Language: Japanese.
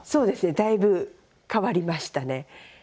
だいぶ変わりましたね。